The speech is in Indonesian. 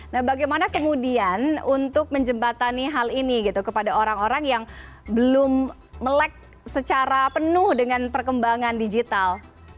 nah bagaimana kemudian untuk menjembatani hal ini gitu kepada orang orang yang belum melek secara penuh dengan perkembangan digital